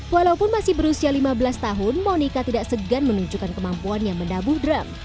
walaupun masih berusia lima belas tahun monika tidak segan menunjukkan kemampuannya mendabuh drum